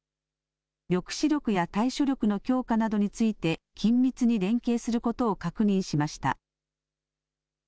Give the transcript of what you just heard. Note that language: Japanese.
抑止力や対処力の強化などについて緊密に連携することを確認しました。